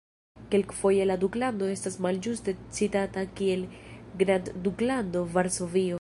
Kelkfoje la duklando estas malĝuste citata kiel "grandduklando Varsovio".